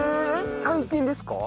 最近ですか？